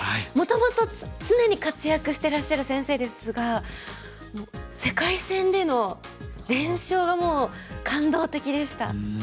もともと常に活躍してらっしゃる先生ですが世界戦での連勝がもう感動的でした。